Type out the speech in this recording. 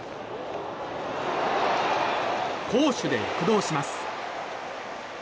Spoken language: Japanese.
攻守で躍動します。